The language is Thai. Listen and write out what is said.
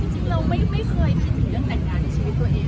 จริงเราไม่เคยคิดถึงเรื่องแต่งงานในชีวิตตัวเอง